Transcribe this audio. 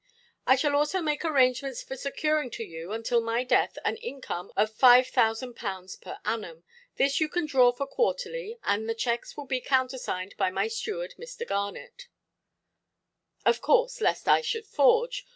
"I shall also make arrangements for securing to you, until my death, an income of 5000_l._ per annum. This you can draw for quarterly, and the cheques will be countersigned by my steward, Mr. Garnet". "Of course, lest I should forge.